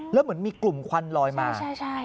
แล้วเหมือนมีกลุ่มควันลอยมา